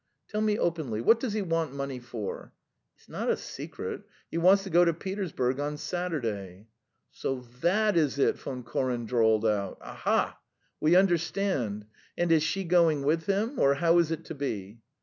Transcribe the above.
"Tell me openly: what does he want money for?" "It's not a secret; he wants to go to Petersburg on Saturday." "So that is it!" Von Koren drawled out. "Aha! ... We understand. And is she going with him, or how is it to be?"